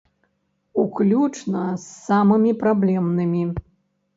Уключна з самымі праблемнымі.